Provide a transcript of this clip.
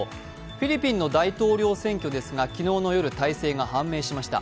フィリピンの大統領選挙ですが昨日の夜、大勢が判明しました。